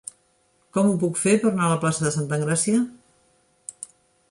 Com ho puc fer per anar a la plaça de Santa Engràcia?